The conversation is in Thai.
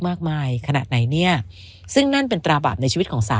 มากมายขนาดไหนเนี่ยซึ่งนั่นเป็นตราบาปในชีวิตของสาว